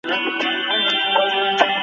তিনি মূলতঃ ডানহাতি অফ-ব্রেক বোলিং করতেন।